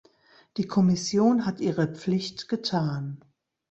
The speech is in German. Die Kommission hat ihre Pflicht getan.